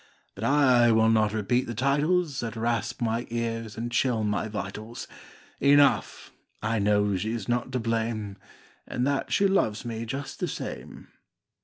But I will not repeat the titles That rasp my ears and chill my vitals. Enough, I know she's not to blame. And that she loves me just the same."